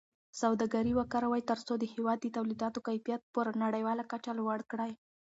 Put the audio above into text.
سوداګري وکاروئ ترڅو د هېواد د تولیداتو کیفیت په نړیواله کچه لوړ کړئ.